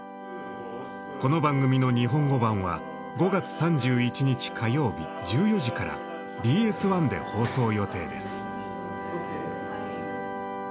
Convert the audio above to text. この番組の日本語版は５月３１日火曜日１４時からＢＳ１で放送予定です。